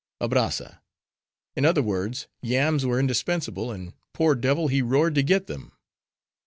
ABRAZZA—In other words, yams were indispensable, and, poor devil, he roared to get them.